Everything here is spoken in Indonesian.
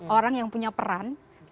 orang yang punya peran